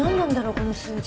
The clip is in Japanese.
この数字。